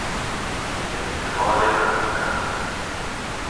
احتمال رفتن